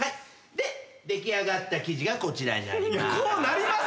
で出来上がった生地がこちらになります。